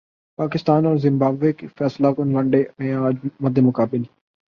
پاکستان اور زمبابوے فیصلہ کن ون ڈے میں اج مدمقابل